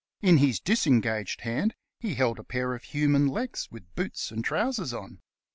In his disengaged hand he held a pair of human legs with boots and trousers on.